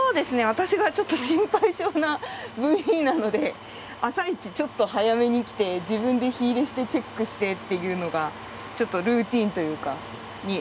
私がちょっと心配性なＶＥなので朝一ちょっと早めに来て自分で火入れしてチェックしてっていうのがちょっとルーチンというかになってます。